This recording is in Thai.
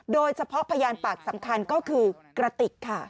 โดยเฉพาะพยานปากสำคัญก็คือกระติกค่ะ